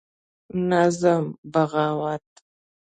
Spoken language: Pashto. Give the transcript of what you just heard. نظم: بغاوت